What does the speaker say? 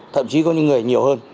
thậm chí có những người nhiều hơn